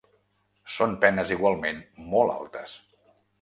Són penes igualment molt altes.